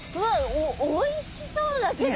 おおいしそうだけど。